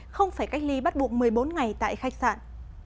không phải cách ly bắt buộc một mươi bốn ngày tại khách sạn